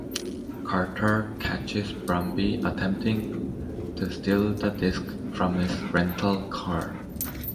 Carter catches Brumby attempting to steal the disk from his rental car.